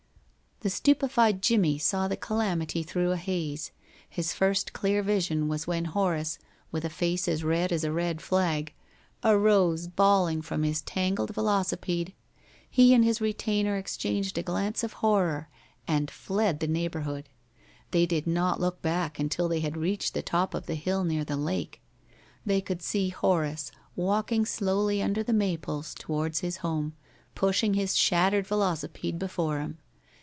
The stupefied Jimmie saw the calamity through a haze. His first clear vision was when Horace, with a face as red as a red flag, arose bawling from his tangled velocipede. He and his retainer exchanged a glance of horror and fled the neighborhood. They did not look back until they had reached the top of the hill near the lake. They could see Horace walking slowly under the maples towards his home, pushing his shattered velocipede before him.